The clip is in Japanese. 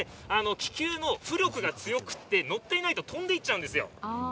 気球の浮力が強くて乗っていないと飛んでいっちゃうんですよ。